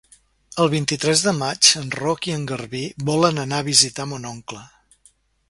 El vint-i-tres de maig en Roc i en Garbí volen anar a visitar mon oncle.